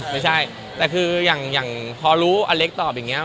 นั่งซะคืออย่างพอรู้อเล็กต่อไปอยู่แล้ว